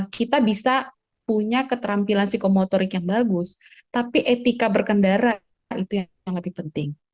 kita bisa punya keterampilan psikomotorik yang bagus tapi etika berkendara itu yang lebih penting